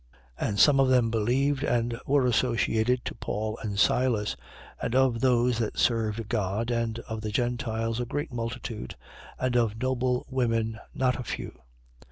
17:4. And some of them believed and were associated to Paul and Silas: and of those that served God and of the Gentiles a great multitude: and of noble women not a few.